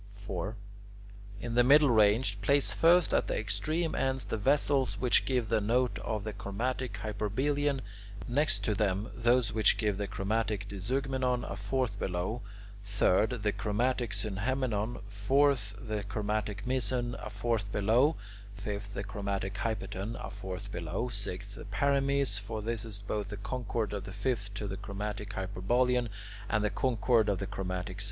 4. In the middle range, place first at the extreme ends the vessels which give the note of the chromatic hyperbolaeon; next to them, those which give the chromatic diezeugmenon, a fourth below; third, the chromatic synhemmenon; fourth, the chromatic meson, a fourth below; fifth, the chromatic hypaton, a fourth below; sixth, the paramese, for this is both the concord of the fifth to the chromatic hyperbolaeon, and the concord of the chromatic synhemmenon.